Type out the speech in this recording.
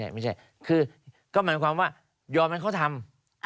ไม่ใช่คือก็หมายความว่ายอมให้เขาทำ